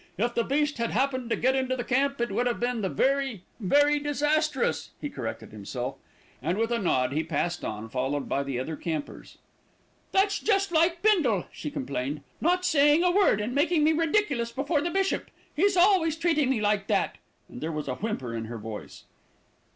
If the beast had happened to get into the camp, it would have been the very very disastrous," he corrected himself, and with a nod he passed on followed by the other campers. "That's just like Bindle," she complained, "not saying a word, and making me ridiculous before the bishop. He's always treating me like that," and there was a whimper in her voice.